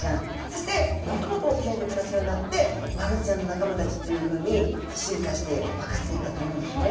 そしてもっともっと沖合で暮らすようになってマグロちゃんの仲間たちというふうに進化して分かれていったと思うんですね。